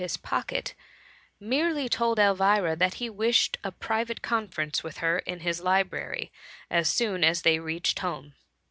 his pocket, merely told Elvira, that he wished a private conference with her in his hbrary, as soon as they reached home.